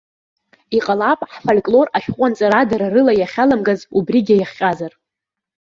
Иҟалап ҳфольклор ашәҟәы анҵара дара рыла иахьаламгаз убригьы иахҟьазар.